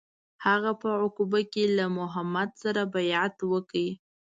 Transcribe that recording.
هغه په عقبه کې له محمد سره بیعت وکړ.